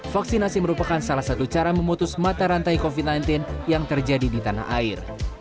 vaksinasi merupakan salah satu cara memutus mata rantai covid sembilan belas yang terjadi di tanah air